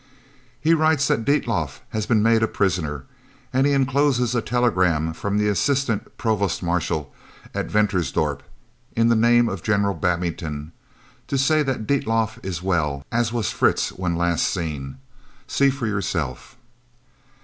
"He writes that Dietlof has been made a prisoner, and he encloses a telegram from the Assistant Provost Marshal at Ventersdorp, in the name of General Babington, to say that Dietlof is well, as was Fritz when last seen. See for yourself."